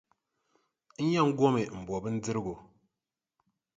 N yɛn gomi m-bo bindirigu.